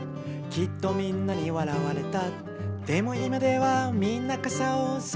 「きっとみんなにわらわれた」